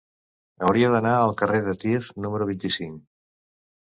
Hauria d'anar al carrer de Tir número vint-i-cinc.